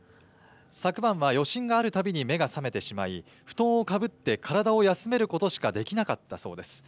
昨晩は余震があるたびに目が覚めてしまい、布団をかぶって体を休めることしかできなかったそうです。